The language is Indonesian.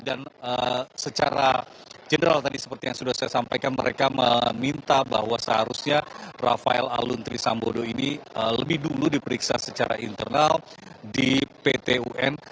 dan secara general tadi seperti yang sudah saya sampaikan mereka meminta bahwa seharusnya rafael alun trisambodo ini lebih dulu diperiksa secara internal di ptun